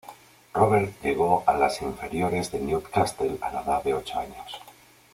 Robert llegó a las inferiores del Newcastle a la edad de ocho años.